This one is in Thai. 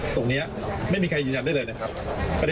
ตรงนี้ไม่มีใครยืนยันได้เลยนะครับ